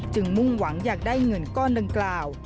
มุ่งหวังอยากได้เงินก้อนดังกล่าว